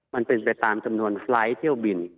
มันเป็นไปตามจำนวนไฟล์ทเที่ยวบิน